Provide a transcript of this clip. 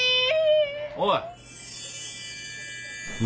おい。